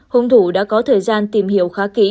hung thủ đã có thời gian tìm hiểu khá kỹ